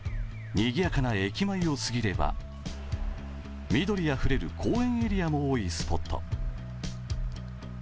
にぎやかな駅前をすぎれば、緑あふれる公園エリアも多いスポット。